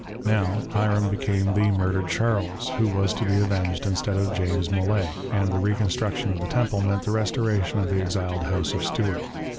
Now " Hiram" became the murdered Charles, who Avas to be avenged instead of James Molay, and the reconstruction of the Temple meant the restoration of the exiled House of Stuart.